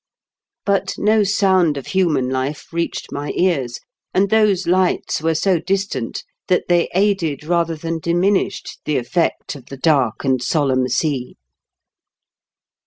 But no sound of human life reached my ears, and those lights were so distant that they aided, rather than diminished, the effect of the dark and solemn sea.